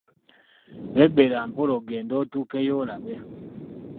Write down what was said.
Bebbera mpola ogenda otuukeyo olabe.